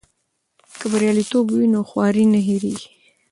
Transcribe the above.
که بریالیتوب وي نو خواري نه هېریږي.